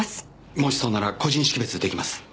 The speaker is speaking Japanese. もしそうなら個人識別できます。